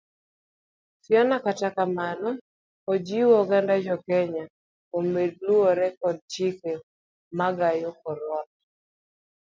Fiona kata kamano ojiwo oganda jokenya jomed luwore kod chike mag gayo corona.